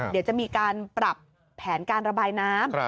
เดี๋ยวจะมีการปรับแผนการระบายน้ำ